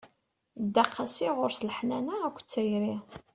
Dda qasi, ɣur-s leḥnana akked tayri.